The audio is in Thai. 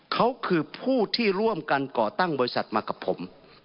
เขาคือผู้ที่ร่วมกันก่อตั้งบริษัทมากับผม